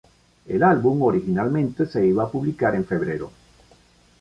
El álbum originalmente se iba a publicar en febrero.